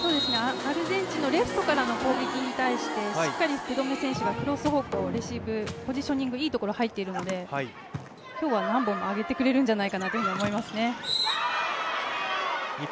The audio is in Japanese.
アルゼンチンのレフトからの攻撃に対して福留選手がしっかりクロス方向、レシーブポジショニングいいところに入っているので、今日は何本も上げてくれるんじゃないかなと思いますね。